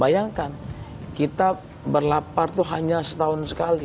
bayangkan kita berlapar itu hanya setahun sekali